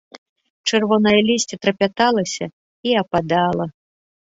Чырвонае лісце трапяталася і ападала.